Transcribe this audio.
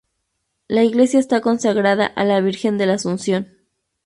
La iglesia está consagrada a la Virgen de la Asunción.